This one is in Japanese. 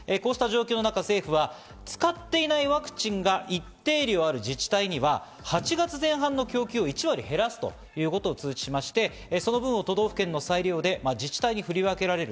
政府は使っていないワクチンが一定量ある自治体には、８月前半の供給を１割減らすということを通知しまして、その分を都道府県の裁量で自治体に振り分けられる。